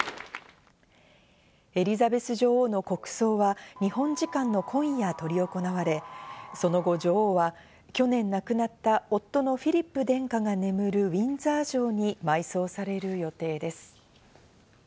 エリザベス女王の国葬は日本時間の今夜、執り行われ、その後、女王は去年亡くなった夫のフィリップ殿下が眠るウィンザー城に埋葬される予定です。